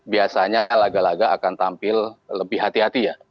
biasanya laga laga akan tampil lebih hati hati ya